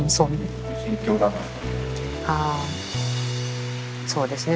ああそうですね